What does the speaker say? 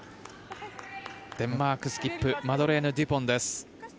デンマーク、スキップマドレーヌ・デュポンです。